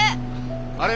あれ？